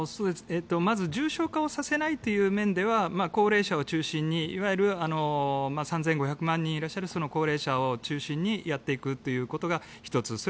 まず重症化させないという面では高齢者を中心にいわゆる３５００万人いらっしゃるその高齢者を中心にやっていくことが１つ。